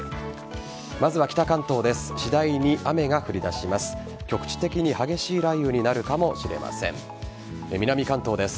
まずは北関東です。